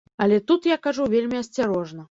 Але тут я кажу вельмі асцярожна.